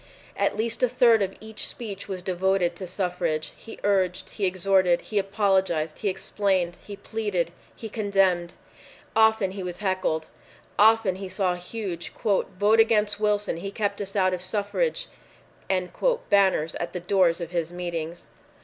At least a third of each speech was devoted to suffrage. He urged. He exhorted. He apologized. He explained. He pleaded. He condemned. Often he was heckled. Often he saw huge "VOTE AGAINST WILSON! HE KEPT US OUT OF SUFFRAGE!" banners at the doors of his meetings.